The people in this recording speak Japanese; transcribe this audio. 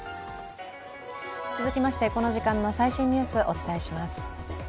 続きまして、この時間の最新ニュースをお伝えします。